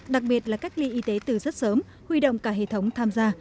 đặc biệt là cách ly y tế từ rất sớm huy động cả hệ thống tham gia